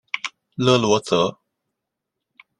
勒罗泽。